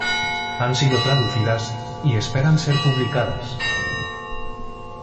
Han sido traducidas y esperan ser publicadas.